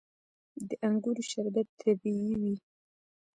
د انګورو شربت طبیعي وي.